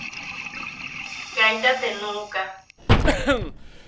Kaita te nuʼuka.